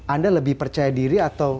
anda lebih percaya diri atau